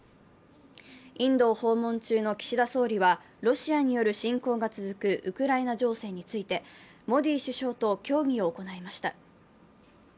インドを訪問中の岸田総理はロシアによる侵攻が続くウクライナ情勢についてモディ首相と協議を行いました。